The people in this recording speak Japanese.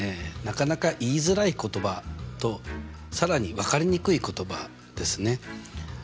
なかなか言いづらい言葉と更に分かりにくい言葉ですね。